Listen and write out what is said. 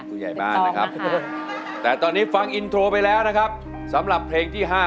ผู้ใหญ่บ้านนะครับแต่ตอนนี้ฟังอินโทรไปแล้วนะครับสำหรับเพลงที่๕